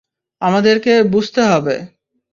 আমাদেরকে বুঝতে হবে।